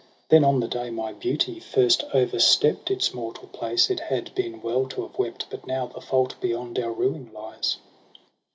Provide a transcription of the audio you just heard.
Then, on the day my beauty first o'erstept Its mortal place it had been well to have wept ; But now the fault beyond our ruing lies.